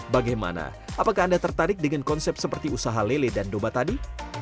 bagaimana apakah anda tertarik dengan konsep seperti usaha lele dan domba tadi